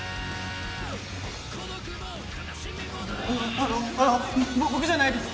あのあのあの僕じゃないです！